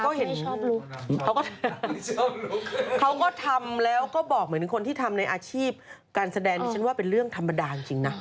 เขาก็ทำแล้วก็บอกเหมือนคนที่ทำในอาชีพการแสดงดิฉันว่าเป็นเรื่องธรรมดากจริงนะ